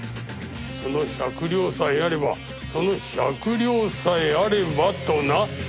その百両さえあればその百両さえあればとな。